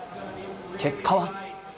結果は。